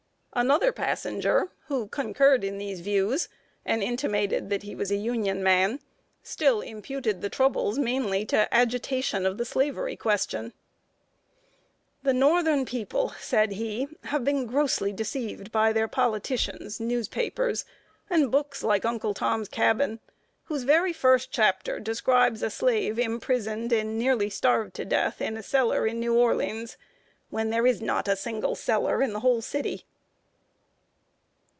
Another passenger, who concurred in these views, and intimated that he was a Union man, still imputed the troubles mainly to agitation of the Slavery question. "The northern people," said he, "have been grossly deceived by their politicians, newspapers, and books like 'Uncle Tom's Cabin,' whose very first chapter describes a slave imprisoned and nearly starved to death in a cellar in New Orleans, when there is not a single cellar in the whole city!"